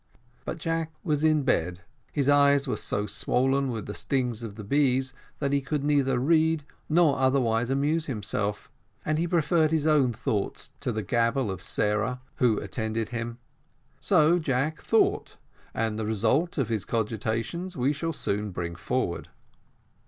But Jack was in bed; his eyes were so swollen with the stings of the bees that he could neither read nor otherwise amuse himself; and he preferred his own thoughts to the gabble of Sarah, who attended him. So Jack thought, and the result of his cogitations we shall soon bring forward.